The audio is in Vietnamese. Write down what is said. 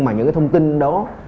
mà những thông tin đó